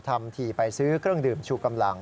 ทำทีไปซื้อเครื่องดื่มชูกำลัง